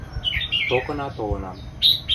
Токына толынам